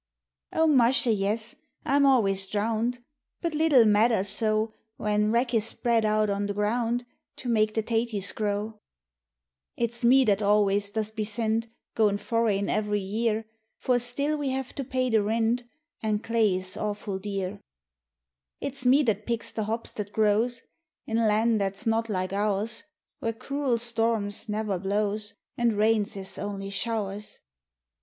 O musha, yis, I'm always dhrowned ; But little matther, so — When wrack is spread out on the ground To make the taties grow ! It's me that always does be sint Goin' foreign every year ; For still we have to pay the rint, An' clay is awful dear ! It's me that picks the hops that grows In lan' that's not like ours ; Where cruel storrums never blows, And rains is only showers.